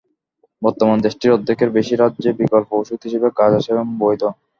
বর্তমানে দেশটির অর্ধেকের বেশি রাজ্যে বিকল্প ওষুধ হিসেবে গাঁজা সেবন বৈধ।